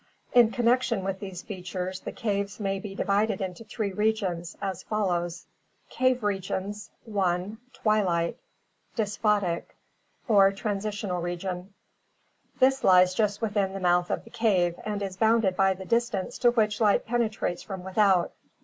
In connection with these features the caves may be divided into three regions, as follows: Cave Regions. — i. Twilight (dysphotic) or transitional region. This lies just within the mouth of the cave and is bounded by the distance to which light penetrates from without.